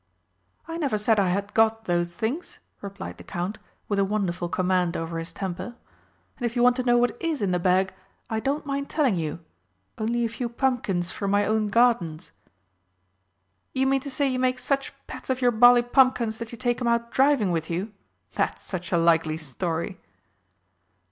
"I never said I had got those things," replied the Count, with a wonderful command over his temper. "And if you want to know what is in the bag, I don't mind telling you only a few pumpkins from my own gardens." "You mean to say you make such pets of your bally pumpkins that you take 'em out driving with you? That's such a likely story!"